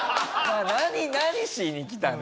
「何しに来たの？